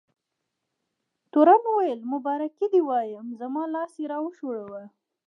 تورن وویل: مبارکي دې وایم، زما لاس یې را وښوراوه.